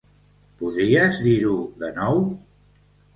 Podries dir-ho de nou?